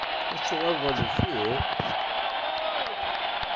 Ad tuɣaleḍ ɣer deffir?